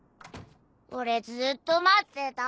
俺ずっと待ってた。